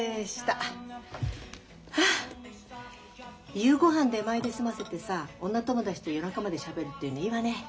夕ごはん出前で済ませてさ女友達と夜中までしゃべるっていうのいいわね。